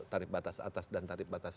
tarif batas atas dan tarif batas